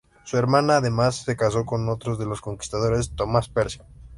Su hermana, además, se casó con otro de los conspiradores, Thomas Percy.